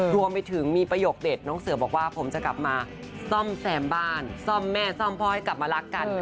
รวมไปถึงมีประโยคเด็ดน้องเสือบอกว่าผมจะกลับมาซ่อมแซมบ้านซ่อมแม่ซ่อมพ่อให้กลับมารักกัน